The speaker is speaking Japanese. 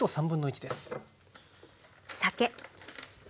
酒。